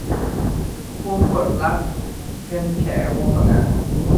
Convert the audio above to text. วงกตรัก - เพ็ญแข วงศ์สง่า